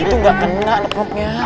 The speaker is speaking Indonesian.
itu nggak kena neploknya